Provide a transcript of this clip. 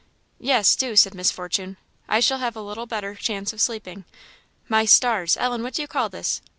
"Yes, do," said Miss Fortune; "I shall have a little better chance of sleeping. My stars! Ellen, what do you call this?"